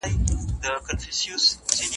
که سمه ايډيالوژي نه وي سياسي لوری ورکېږي.